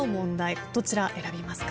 どちら選びますか？